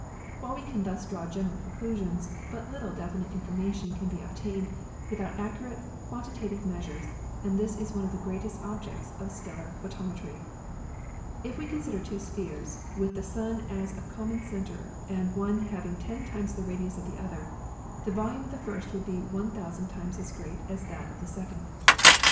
While we can thus draw gen eral conclusions, but little definite information can be obtained without accurate quantitative measures, and this is one of the greatest objects of stellar photometry. If we consider two spheres, with the Sun as common center and one having ten times the radius of the other, the volume of the first will be one thousand times as great as that of the second.